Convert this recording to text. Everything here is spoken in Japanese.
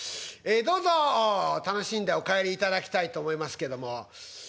どうぞ楽しんでお帰りいただきたいと思いますけども。